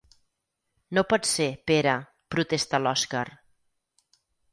No pot ser, Pere —protesta l'Òskar—.